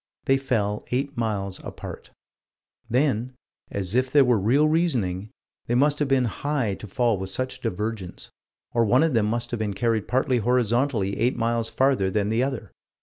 They fell eight miles apart. Then as if there were real reasoning they must have been high to fall with such divergence, or one of them must have been carried partly horizontally eight miles farther than the other.